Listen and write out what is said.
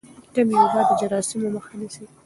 کمې اوبه د جراثیمو مخه نیسي.